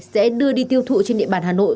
sẽ đưa đi tiêu thụ trên địa bàn hà nội